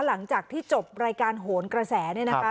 หลังจากที่จบรายการโหนกระแสเนี่ยนะคะ